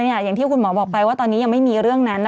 อย่างที่คุณหมอบอกไปว่าตอนนี้ยังไม่มีเรื่องนั้น